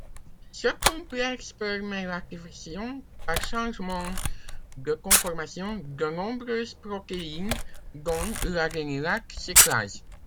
Ce complexe permet l'activation, par changement de conformation, de nombreuses protéines, dont l'adénylate cyclase.